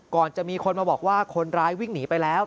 ก่อนจะมีคนมาบอกว่าคนร้ายวิ่งหนีไปแล้ว